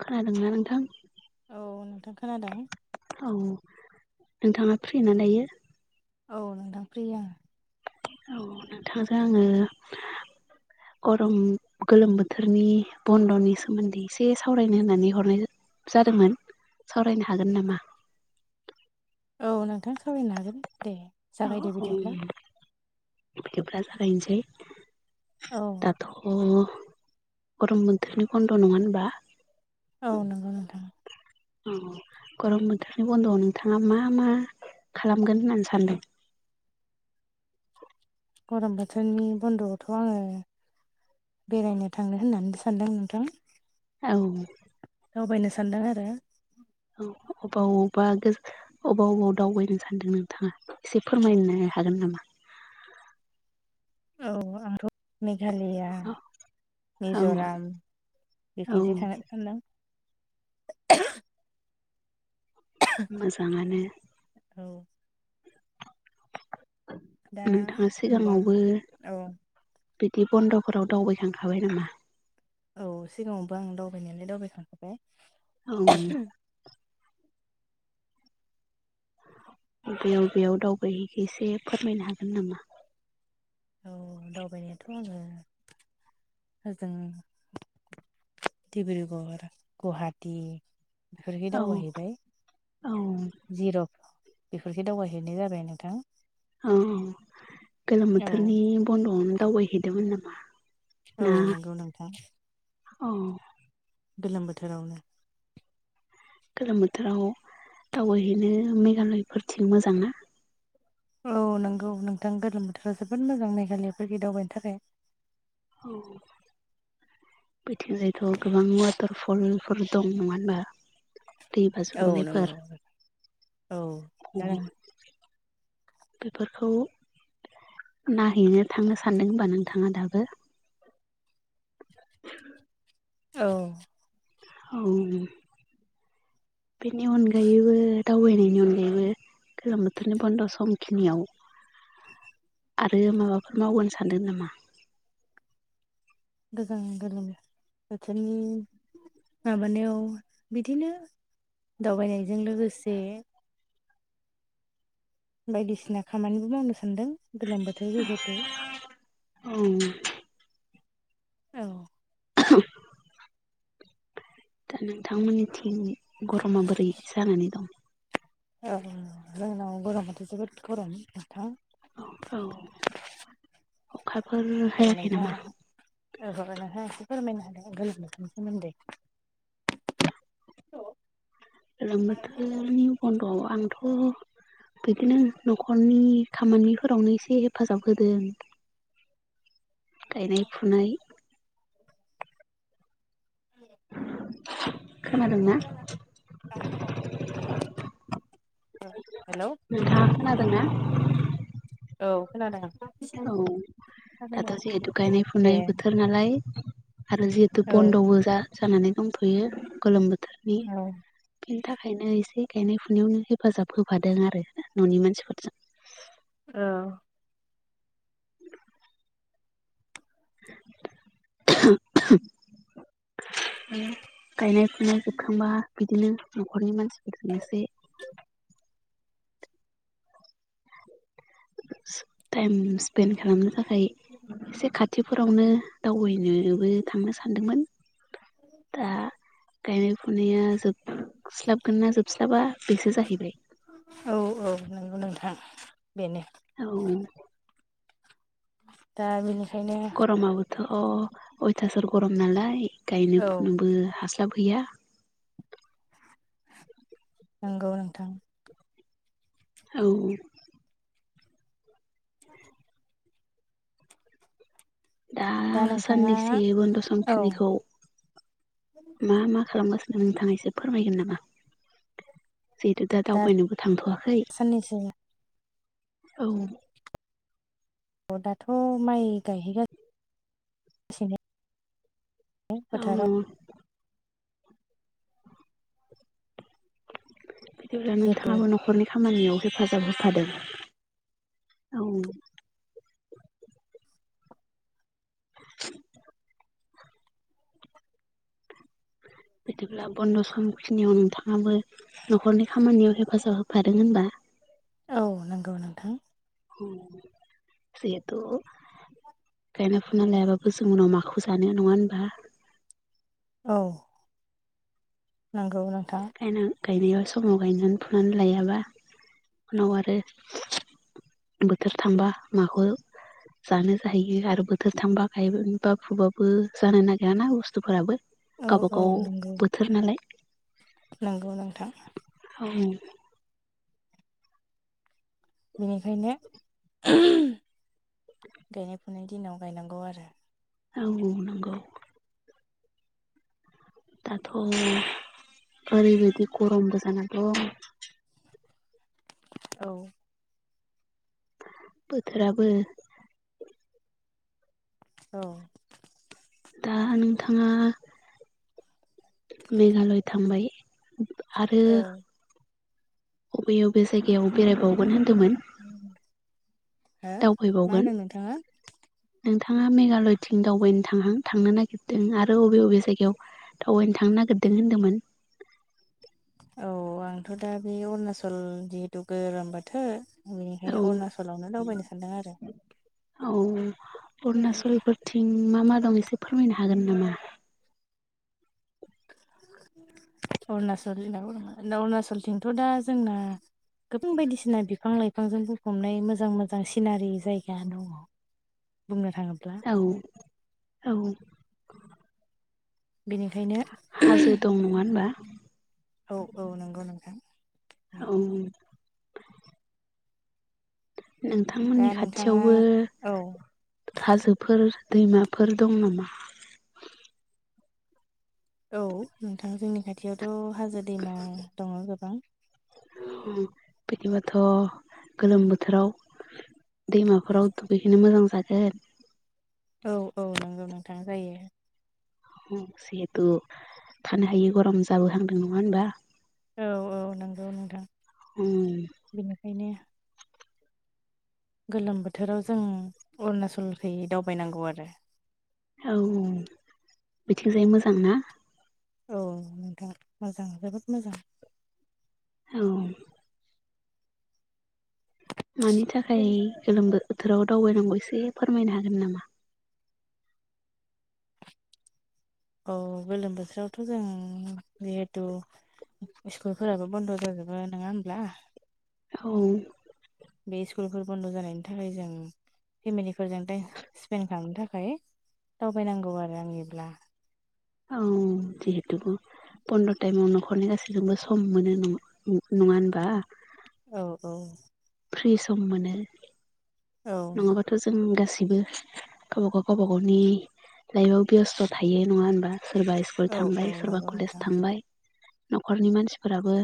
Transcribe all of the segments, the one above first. खोनादोंना नोंथां औ नोंथां खोनादों औ नोंथाङा फ्रि ना दायो औ नोंथां फ्रि आंनो औ नोंथांजों आङो गरम गोलोम बोथोरनि बन्द'नि सोमोन्दै एसे सावरायनो होननानै हरनाय जा जादोंमोन सावरायनो हागोन नामा? औ नोंथां सावरायनो हागोन दे औ जागायदो औ बिदिब्ला बिदिब्ला जागायनोसै औ दाथ' गरम बोथोरनि खन्द' नङा होनबा औ नंगौ नोंथां। औ गरम बोथोरनि बन्द'आव नोंथाङा मा मा खालामगोन होननानै सानदों। गरम बोथोरनि बन्द'आवथ' आङो बेरायनो थांनो होननानै सा सान्दों नोंथां। औ दावबायनो सानदों आरो औ अबावबा गोज अबाव अबाव दावबायनो सानदों नोंथाङा एसे फोरमायनो हागोन नामा? [inaudible] औ आंथ' मेघालया, औ मिज'राम बेखैसो औ थांनो सानदों। मोजाङानो औ दा नोंथाङा होनब्ला सिगाङावबो औ बिदि बन्द'फोराव दावबाय खांखाबाय नामा? औ सिगाङावबो आं दावबाय नायालाय दावबाय खांबाय। औ बेयाव बेयाव दावबायहैखो एसे फोरमायनो हागोन नामा? औ दावबायनायाथ' आङो होजों डिब्रुगर, गुवाहाटि फोरखै औ दावबायहैनाय औ जिर' बेफोरखै दावबायहैनाय जाबाय नोंथां। ओ गोलोम औ बोथोरनि बन्द'आवनो दावबायहैदोंमोन नामा? औ ना नंगौ नोंथां। औ गोलोम बोथोरावनो गोलोम बोथोराव दावबायहैनो मेघालयफोरथिं मोजां ना? औ नंगौ नोंथां, गोलोम बोथोराव जोबोद मोजां मेघालयाफोरखै दावबायनो थाखाय। औ बैथिंजायथ' गोबां वाटार फलफोर दं नङानो होनबा? दै औ बाज्रुमनायफोर नंगौ दा बेफोरखौ नायहैनो थांनो सानदों हबा नोंथाङा दाबो‌? औ औ बेनि अनगायैबो दावबायनायनि अनगायैबो गोलोम बोथोरनि बन्द' समखिनियाव आरो माबाफोर मावगोन सानदों नामा? गोजां गोलोमो बोथोरनि माबानायाव बिदिनो दावबायनायजों लोगोसे बायदिसिना खामानिबो मावनो सान्दों गोलोम बोथोर जिहेथु। औ औ [unintelligible] दा नोंथां मोननिथिं गरमा बोरै जानानै दं? औ जोंनाव गरमाथ' जोबोद गरम नोंथां। औ औ। दे नोंथाङा [unintelligible] फोरमायना होदो गोलोम बोथोरनि सोमोन्दै। गोलोम बोथोरनि बन्द'आव आंथ' बिदिनो न'खरनि खामानिफोरावनो एसे हेफाजाब होदों। गायनाय, फुनाय। खोनादोंना [unintelligible] ओ। नोंथांङा खोनादों ना? औ खोनादों। औ दाथ' जिहेथु गायनाय दे फुनाय बोथोर नालाय आरो जिहेतु औ बन्द'बो जा-जानानै दंथ'यो गोलोम बो औ। थाखायनो एसे गायनाय फुनायावनो हेफाजाब होफादों आरो न'नि मानसिफोरजों। औ। [unintelligible] गायनाय फुनाय जोबखांबा बिदिनो न'खरनि मानसिफोरजों एसे [unintelligible] [unintelligible] टाइम स्पेन्ड खालामनो थाखाय एसे खाथिफोरावनो दावबायनोबो थांनो सानदोंमोन। दा गायनाय फुनाया जोबस्लाबगोन ना जोबस्लाबा बेसो जाहैबाय। नोंगौ नोंथां बेनो। औ। दा बेनो। गरमाबोथ' अयथासार गरम नालाय गायनो औ फुनोबो हास लाबहैया। नोंगौ नोंथां। औ। [inaudible] दा साननैसे बन्द' औ समखिनिखौ मा मा खालामगा नोंथां एसे फोरमायगोन नामा? जिहेथु दा दावबायनोबो थांथ'वाखै साननैसो औ। अ दाथ' माइ गायहैगा [inaudible] सिनो बे औ फोथाराव। होमब्ला जिहेथु नोंथांङाबो नखरनि खामानियाव हेफाजाब होफादों औ। [unintelligible] बिदिब्ला बन्द' समखिनियाव नोंथांङाबो न'खरनि खामानियाव हेफाजाब होफादों होनबा। औ नोंगौ नोंथां। जेहेथु गायना फुना लायाबाबो जों उनाव माखौ जानो नंङा होनबा। औ। नोंगौ नों खायनो गायनायाव समाव गायनानै फुनानै लायाबा उनाव आरो बोथोर थांबा माखौ जानो जाहैयो आरो बोथोर थांबा गायबा उम बा फुबाबो जानो नागिराना बुस्थुफोराबो। औ औ गावबागाव नंगौ बोथोर नालाय। नंगौ नोंथां ओं बेनिखायनो [unintelligible] गायनाय [unintelligible] दिनाव गायनांगौ आरो औ नंगौ दाथ' ओरैबायदि गरमबो जानादं औ बोथोराबो औ दा नोंथाङा मेघालय थांबाय आरो हो अबे बबे जायगायाव बेरायबावगोन होन [unintelligible] हो मा दावबायबावगोन होनदों नोंथाङा? नोंथाङा मेघालयथिं दावबायनो थांहां थांनो नागिरदों आरो बबे बबे जायगायाव दावबायनो थांनो नागिरदों होनदोंमोन औ आंथ' दा बे अरुणाचल जिहेथु गोरोम बोथो बेनिखायनो औ अरुणाचलावनो दावबायनो सानदों आरो औ अरुणचलफोरथिं मा मा दं एसे फोरमायनो हागोन नामा? अरुणचल अरुणाचलथिंथ' दा जोंना गोबां बायदिसिना बिफां लइ बिफांजों बुंफबनाय मोजां मोजां सिनारि जायगा दङ बुंनो थाङोब्ला औ औ बेनिखायनो हाजो दं नङा [unintelligible] होनबा औ औ नंगौ नोंथां औ दा नोंथांमोननि नोंथाङा खाथियावबो औ हाजोफोर दैमाफोर दं नामा औ नोंथां जोंनि खाथियावथ' हाजो दैमा दङ गोबां बिदिबाथ' गोलोम बोथोराव दैमाफोराव दुगैहैनो मोजां जागोन औ औ नंगौ नोंथां जायो जिहेथु थानो हायि गरम जाबो हांदों नङा होनबा औ औ नंगौ नोंथां बेनिखायनो गोलोम बोथोराव जों अरुनाचलखैै दावबायनांगौ आरो औ बिथिंजाय मोजां ना औ नोंथां मोजां जोबोद मोजां औ मानि थाखाय गोलोमो बोथोराव दावबायनांगौ एसे फोरमायनो हागोन नामा औ गोलोम बोथोरावथ' जों जिहेथु स्कुलफोराबो बन्द' जाजोबो नङा होमब्ला औ बे स्कुलफोर बन्द' जानायनि थाखाय जों फेमिलिफोरजों टाइम स्पेन्ड खालामनो थाखाय दावबायनांगौ आरो आंनिब्ला औ जिहेतु ग बन्द टाइमाव न'खरनि गासैखौबो सम मोनो नङा होनबा औ औ फ्रि सम मोनो औ नङाबाथ' जों गासैबो गावबागाव गावबागावनि लाइफआव बेस्थ' थायो नङा होनबा सोरबा स्कुल औ औ थांबाय सोरबा नंगौ कलेज नोंथां थांबाय न'खरनि मानसिफोराबो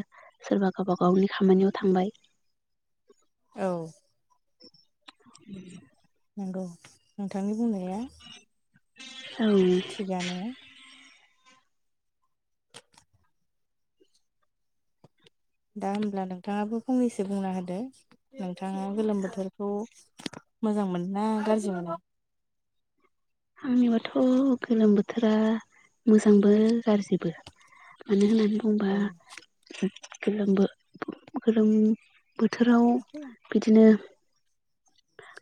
सोरबा गावबा गावनि खामानियाव थांबाय औ [inaudible] नंगौ नोंथांनि बुंनाया थिगानो औ दा होमब्ला नोंथाङाबो फंनैसो बुंना होदो नोंथाङा गोलोम बोथोरखौ मोजां मोनोना गाज्रि मोनो आंनिबाथ' गोलोम बोथोरा मोजांबो गाज्रिबो मानो होननानै बुंङोबा औ गोलोम गोलोम बोथोराव बिदिनो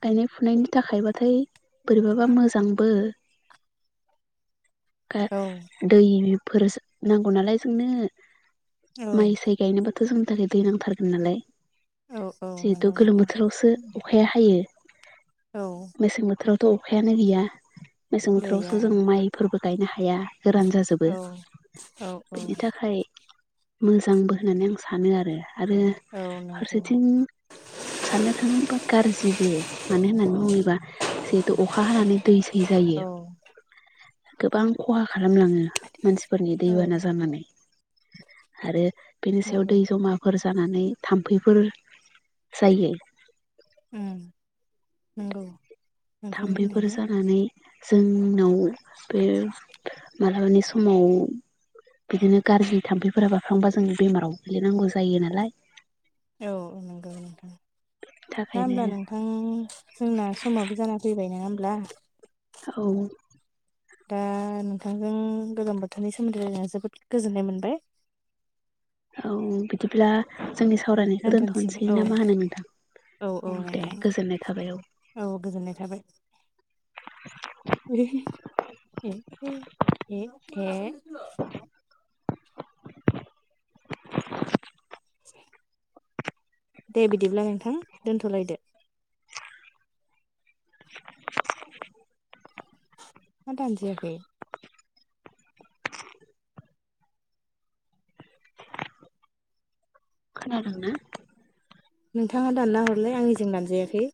गायनाय फुनायनि थाखायबाथाय बोरैबाबा मोजां बो औ दै फोर नांगौ नालाय जोंनो औ माइ साय गायनोबो जोंनि थाखाय दै नांथारगोन नालाय औ औ जिहेथु नंगौ गोलोम नोंथां बोथोरावसो अखाया हायो। औ मेसें बोथोरावथ'अखायानो गैया। मेसें गैया बोथोरावसो जों माइफोरबो गायनो हाया गोरान जाजोबो। औ औ औ। बेनि थाखाय मोजांबो होननानै आं सानो आरो आरो औ नंगौ फारसेथिं साननो थाङोबा गाज्रिबो मानो होननानै बुङो बा जिहेतु अखा हानानै दै सै जायो औ गोबां खहा खालामलाङो मानसिफोरनि औ दैबाना जानानै आरो बिनि सायाव नंगौ दै जमाफोर जानानै थाम्फैफोर जायो नोंंगौ थाम्फैफोर जानानै जोंनाव बे मालाबानि समाव बिदिनो गाज्रि थाम्फैफोरा बारफ्र्लांबा जों बेमाराव गोग्लैनांगौ जायो नालाय औ औ नंगौ नोंथां दा थाखायनो होमब्ला नोंथां जोंना समाबो जाना फैबाय नङा होमब्ला औ। दा नोंथांजों गोजां बोथोरनि सोमोन्दै जोबोद गोजोननाय मोनबाय। औ बिदिब्ला जोंनि सावरायनायखौ दोनथ'नोसै ना मा होनो नोंथां औ औ दे नोंथां गोजोननाय थाबाय औ गोजोननाय थाबाय। [unintelligible] दे बिदिब्ला नोंथां दोनथ'लायदो [inaudible] मा दानजायाखै खोनादों ना नोंथाङा दानना हरलाय आंनिजों दानजायाखै